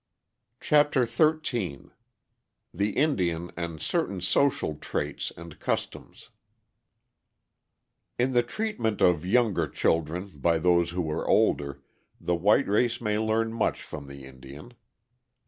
CHAPTER XIII THE INDIAN AND CERTAIN SOCIAL TRAITS AND CUSTOMS In the treatment of younger children by those who are older, the white race may learn much from the Indian.